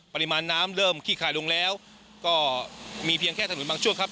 ปริมาณน้ำเริ่มขี้คายลงแล้วก็มีเพียงแค่ถนนบางช่วงครับ